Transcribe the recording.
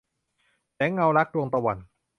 แสงเงารัก - ดวงตะวัน